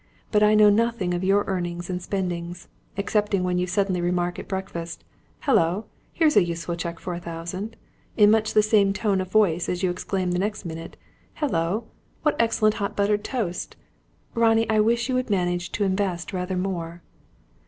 But I know nothing of your earnings and spendings, excepting when you suddenly remark at breakfast: 'Hullo! Here's a useful little cheque for a thousand' in much the same tone of voice as you exclaim the next minute: 'Hullo! What excellent hot buttered toast!' Ronnie, I wish you would manage to invest rather more."